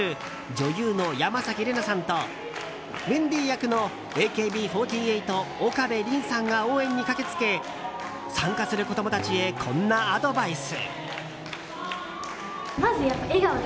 女優の山崎怜奈さんとウェンディ役のＡＫＢ４８岡部麟さんが応援に駆け付け参加する子供たちへこんなアドバイス！